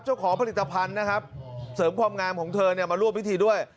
เจ้าของผลิตภัณฑ์นะครับเสริมความงามของเธอเนี่ยมาร่วมพิธีด้วย